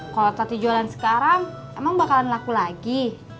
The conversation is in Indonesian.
kalau tati jualan sekarang emang bakalan laku lagi